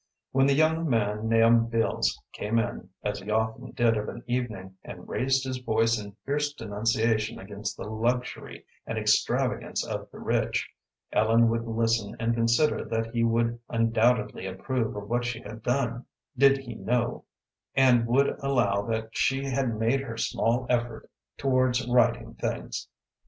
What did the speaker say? When the young man Nahum Beals came in, as he often did of an evening, and raised his voice in fierce denunciation against the luxury and extravagance of the rich, Ellen would listen and consider that he would undoubtedly approve of what she had done, did he know, and would allow that she had made her small effort towards righting things.